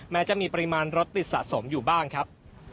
จะมีปริมาณรถติดสะสมอยู่บ้างครับ